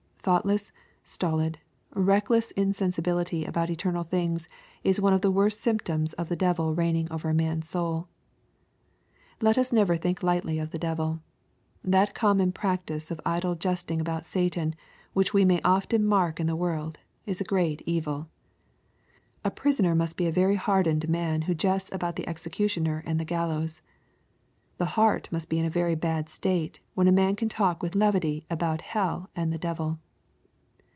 Thought less, stolid, reckless insensibility about eternal things is one of the worst symptoms of the devil reigning over a man's soul. Let us never think lightly of the devil. That common practice of idle jesting about Satan which we may often mark in the world, is a great evil. A prisoner must be a very hardened man who jests about the executioner and the gallows. The heart must be in a very bad state, when a man can talk with levity about hell and the d^vil.